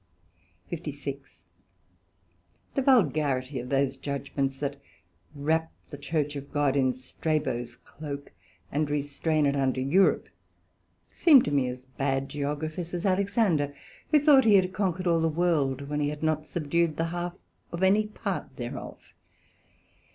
SECT.56 The vulgarity of those judgements that wrap the Church of God in Strabo's cloak, and restrain it unto Europe, seem to me as bad Geographers as Alexander, who thought he had Conquer'd all the World, when he had not subdued the half of any part thereof.